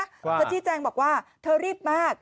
เธอชี้แจงบอกว่าเธอรีบมาก